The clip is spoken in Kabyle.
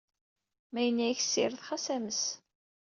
Ma yenna-ak ssired, xas ames.